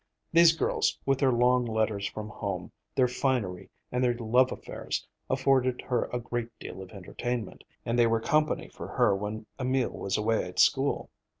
These girls, with their long letters from home, their finery, and their love affairs, afforded her a great deal of entertainment, and they were company for her when Emil was away at school.